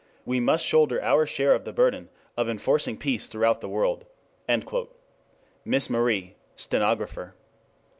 We must shoulder our share of the burden of enforcing peace throughout the world." Miss Marie , stenographer.